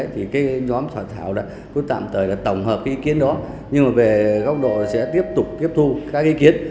thì nhóm soạn thảo đã tạm thời tổng hợp ý kiến đó nhưng về góc độ sẽ tiếp tục tiếp thu các ý kiến